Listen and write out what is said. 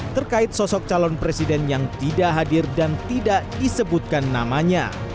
terkait sosok calon presiden yang tidak hadir dan tidak disebutkan namanya